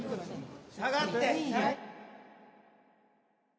下がって。